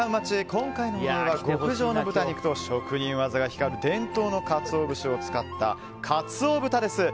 今回のお題は、極上の豚肉と職人技が光る伝統のカツオ節を使った鰹豚です。